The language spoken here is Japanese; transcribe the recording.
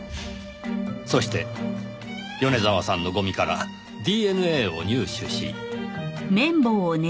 そして米沢さんのゴミからＤＮＡを入手し。